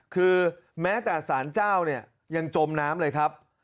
คือแม้แต่สารเจ้าเนี่ยยังจมน้ำเลยครับ